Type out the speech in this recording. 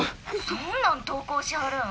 「そんなん投稿しはるん？